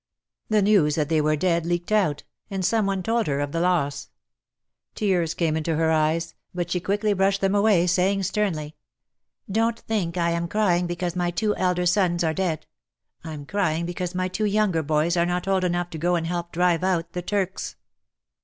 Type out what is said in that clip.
The news that they were dead leaked out, and some one told her of her loss. Tears came in her eyes, but she quickly brushed them away, saying sternly, " Don't think I am crying because my two elder sons are dead ; I'm crying because my two younger boys are not old enough to go and help drive out the Turks."